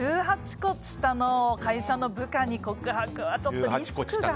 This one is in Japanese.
１８個下の会社の部下に告白はちょっとリスクが。